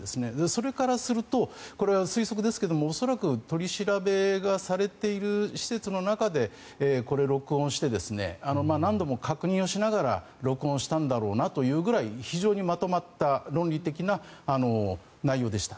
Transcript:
それからするとこれは推測ですが恐らく取り調べがされている施設の中でこれを録音して何度も確認をしながら録音したんだろうなというぐらい非常にまとまった論理的な内容でした。